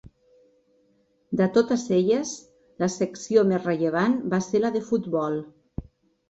De totes elles, la secció més rellevant va ser la de futbol.